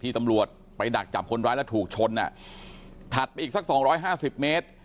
ตำรวจไปดักจับคนร้ายแล้วถูกชนอ่ะถัดไปอีกสักสองร้อยห้าสิบเมตร